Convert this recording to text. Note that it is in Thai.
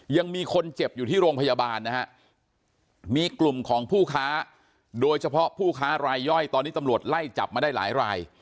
ยังมีคนเจ็บอยู่ที่โรงพยาบาลนะฮะมีกลุ่มของผู้ค้าโดยเฉพาะผู้ค้ารายย่อยตอนนี้ตำรวจไล่จับมาได้หลายราย